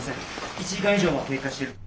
１時間以上は経過している。